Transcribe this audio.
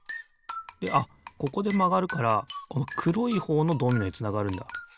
であっここでまがるからこのくろいほうのドミノにつながるんだ。